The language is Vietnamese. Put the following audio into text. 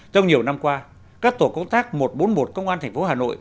trong nhiều năm qua các tổ công tác một trăm bốn mươi một công an tp hà nội